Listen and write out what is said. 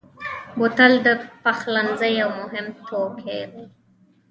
بوتل د پخلنځي یو مهم توکی دی.